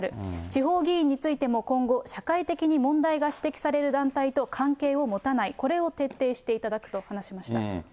地方議員についても今後、社会的に問題が指摘される団体と関係を持たない、これを徹底していただくと話しました。